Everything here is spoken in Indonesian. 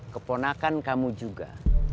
keponakan kamu juga